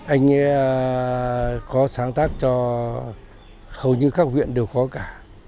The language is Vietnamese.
anh có sáng tác cho hầu như các huyện đều có cả